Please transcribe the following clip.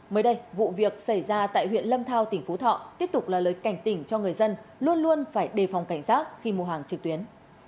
mới đây vụ việc xảy ra tại huyện lâm thao tỉnh phú thọ tiếp tục là lời cảnh tỉnh cho người dân luôn luôn phải đề phòng cảnh giác khi mua hàng trực tuyến